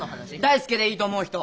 大介でいいと思う人？